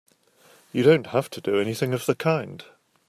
You don't have to do anything of the kind!